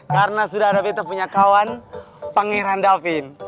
karena sudah ada betapunya kawan pangeran davin